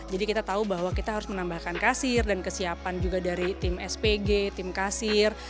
jadi kita tahu bahwa kita harus menambahkan kasir dan kesiapan juga dari tim spg tim kasir